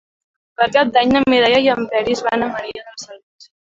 Per Cap d'Any na Mireia i en Peris van a Maria de la Salut.